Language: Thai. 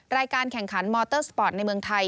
รายการแข่งขันมอเตอร์สปอร์ตในเมืองไทย